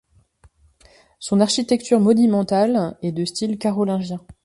Son architecture monumentale est de style carolingien.